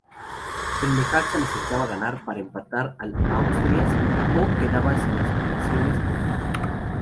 El Necaxa necesitaba ganar para empatar al Asturias, o quedaba sin aspiraciones al título.